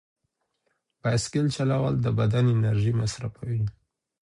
بایسکل چلول د بدن انرژي مصرفوي.